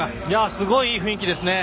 すごいいい雰囲気ですね。